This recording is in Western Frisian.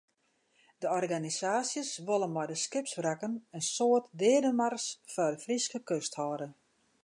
De organisaasjes wolle mei de skipswrakken in soart deademars foar de Fryske kust hâlde.